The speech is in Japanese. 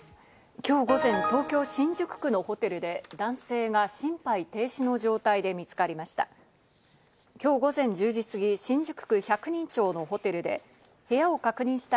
今日午前、東京・新宿区のホテルで男性が心肺停止の状態で見つかりました。